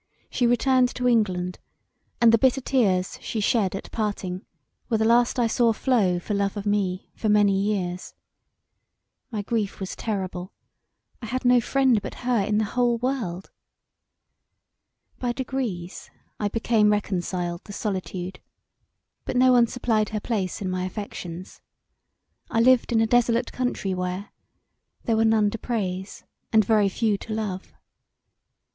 She returned to England, and the bitter tears she shed at parting were the last I saw flow for love of me for many years. My grief was terrible: I had no friend but her in the whole world. By degrees I became reconciled to solitude but no one supplied her place in my affections. I lived in a desolate country where there were none to praise And very few to love.